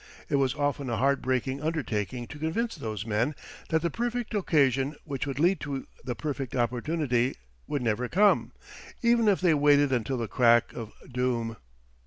It was often a heart breaking undertaking to convince those men that the perfect occasion which would lead to the perfect opportunity would never come, even if they waited until the crack o' doom.